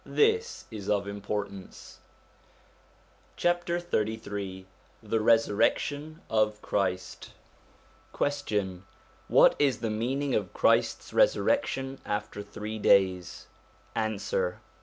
This is of importance. XXIII THE RESURRECTION OF CHRIST Question. What is the meaning of Christ's resurrec tion after three days ? Answer.